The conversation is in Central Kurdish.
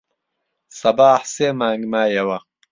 سەباح سێ مانگ مایەوە.